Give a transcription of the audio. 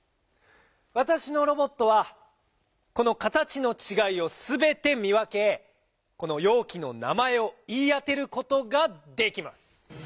わたしのロボットはこのかたちのちがいをすべて見わけこのようきの名まえをいいあてることができます！